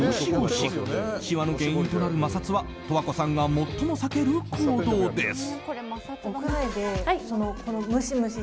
しわの原因となる摩擦は十和子さんが最も避ける行動です。